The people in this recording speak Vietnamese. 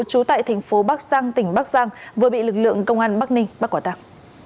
trú tại thành phố bắc giang tỉnh bắc giang vừa bị lực lượng công an bắc ninh bắt quả tạp